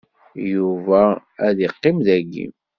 Yuba ad iqqim dagi.